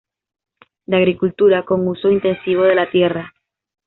De agricultura con uso intensivo de la tierra.